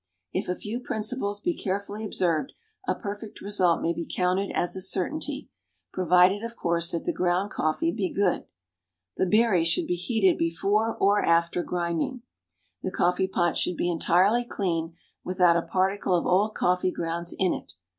If a few principles be carefully observed, a perfect result may be counted as a certainty provided, of course, that the ground coffee be good. The berries should be heated before or after grinding. The coffee pot should be entirely clean, without a particle of old coffee grounds in it.